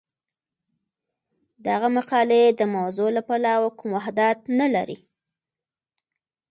دغه مقالې د موضوع له پلوه کوم وحدت نه لري.